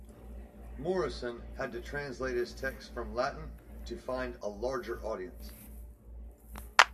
Moryson had to translate his texts from Latin to find a larger audience.